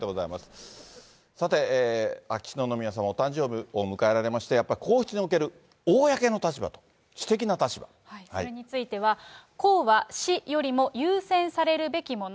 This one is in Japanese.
秋篠宮さま、お誕生日を迎えまして、やっぱり皇室における公の立場と私的な立それについては、公は私よりも優先されるべきもの。